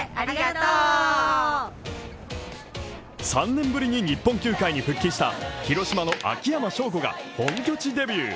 ３年ぶりに日本球界に復帰した広島の秋山翔吾が、本拠地デビュー。